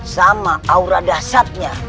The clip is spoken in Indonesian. sama aura dasarnya